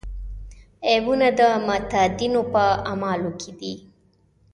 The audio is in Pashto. عیبونه د متدینو په اعمالو کې دي.